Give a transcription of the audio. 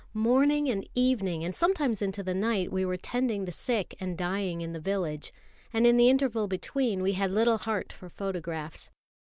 Morning and evening, and sometimes into the night, we were tending the sick and dying in the village; and in the interval between we had little heart for photographs.